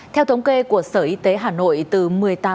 theo thống kê của sở y tế hà nội từ một mươi tám h